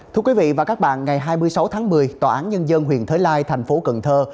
thưa quý vị và các bạn ngày hai mươi sáu tháng một mươi tòa án nhân dân huyện thới lai thành phố cần thơ